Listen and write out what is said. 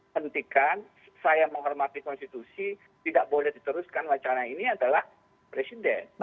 hentikan saya menghormati konstitusi tidak boleh diteruskan wacana ini adalah presiden